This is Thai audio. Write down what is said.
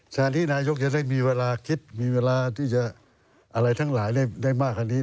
แทนที่นายกจะได้มีเวลาคิดมีเวลาที่จะอะไรทั้งหลายได้มากกว่านี้